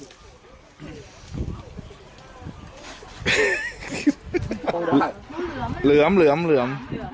เหลือมเหลือมเหลือม